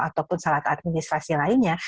ataupun salat administrasi lainnya